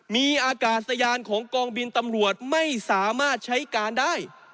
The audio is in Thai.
มีอากาศยานของกองบินตำรวจไม่สามารถใช้การได้